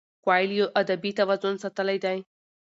کویلیو ادبي توازن ساتلی دی.